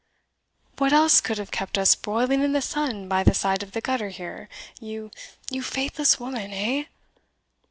"What else could have kept us broiling in the sun by the side of the gutter here, you you faithless woman, eh?"